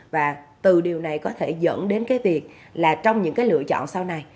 và từ điều này có thể dẫn đến cái việc là trong những cái lựa chọn sau này